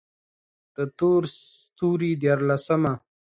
د تور ستوري ديارلسمه: